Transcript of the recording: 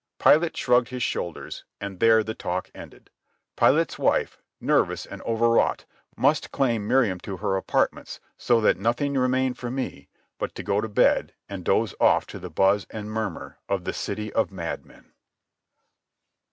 Pilate shrugged his shoulders, and there the talk ended. Pilate's wife, nervous and overwrought, must claim Miriam to her apartments, so that nothing remained for me but to go to bed and doze off to the buzz and murmur of the city of madmen.